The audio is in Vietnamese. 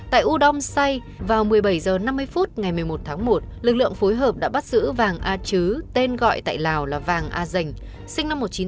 tại udomsai vào một mươi bảy h năm mươi phút ngày một mươi một tháng một lực lượng phối hợp đã bắt giữ vàng a chứ tên gọi tại lào là vàng a dành sinh năm một nghìn chín trăm tám mươi